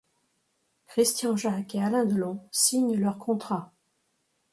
Christian-Jaque et Alain Delon signent leur contrat.